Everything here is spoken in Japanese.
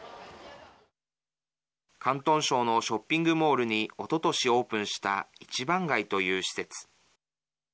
広東省のショッピングモールにおととしオープンした一番街という施設。